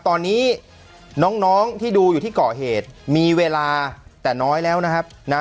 ตอนนี้น้องที่ดูอยู่ที่เกาะเหตุมีเวลาแต่น้อยแล้วนะครับนะ